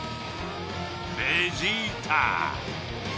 ベジータ。